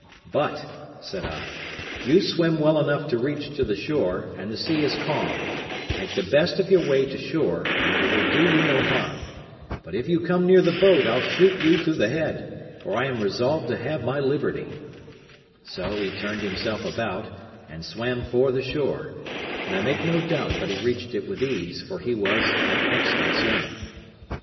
"But," said I, "you swim well enough to reach to the shore, and the sea is calm; make the best of your way to shore, and I will do you no harm; but if you come near the boat I'll shoot you through the head, for I am resolved to have my liberty;" so he turned himself about, and swam for the shore, and I make no doubt but he reached it with ease, for he was an excellent swimmer.